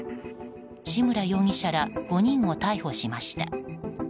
志村容疑者ら５人を逮捕しました。